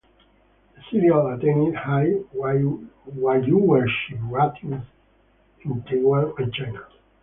The serial attained high viewership ratings in Taiwan and China.